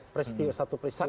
peristiwa satu peristiwa saja